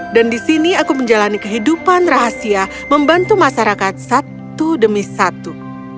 dan di sini aku menjalani kehidupan rahasia membantu masyarakat satu demi satu